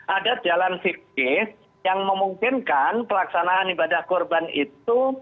ada jalan fikir yang memungkinkan pelaksanaan ibadah korban itu